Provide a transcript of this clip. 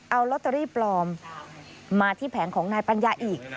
เอาลอตเตอรี่ปลอมมาที่แผงของนายปัญญาอีก